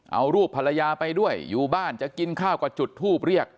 เอารูปภรรยาไปด้วยอยู่บ้านจะกินข้าวก็จุดทูปเรียก